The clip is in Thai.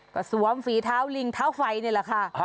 ก็สวมฝีเท้าลิงเท้าไฟนี่แหละค่ะ